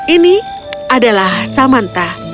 ini adalah samantha